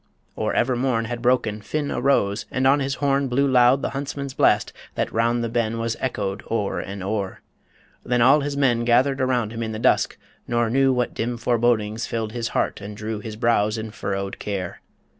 Or ever morn Had broken, Finn arose, and on his horn Blew loud the huntsman's blast that round the ben Was echoed o'er and o'er ... Then all his men Gathered about him in the dusk, nor knew What dim forebodings filled his heart and drew His brows in furrowed care.